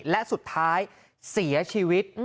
และสุดท้ายเสียชีวิต